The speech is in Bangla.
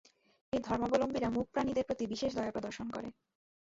এই ধর্মাবলম্বীরা মূক প্রাণীদের প্রতি বিশেষ দয়া প্রদর্শন করে।